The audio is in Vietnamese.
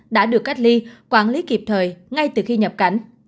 đã được cách ly quản lý kịp thời ngay từ khi nhập cảnh